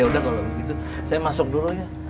yaudah kalau begitu saya masuk dulu ya